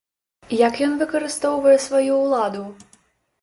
Як ён выкарыстоўвае сваю ўладу?